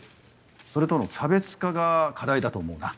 それとの差別化が課題だと思うな。